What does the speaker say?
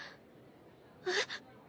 えっ？